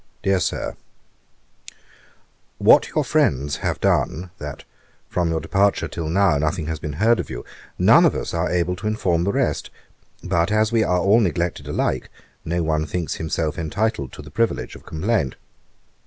'DEAR SIR, 'What your friends have done, that from your departure till now nothing has been heard of you, none of us are able to inform the rest; but as we are all neglected alike, no one thinks himself entitled to the privilege of complaint.